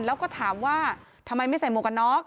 แล้วก็ถามว่าทำไมไม่ใส่หมวกกันน็อก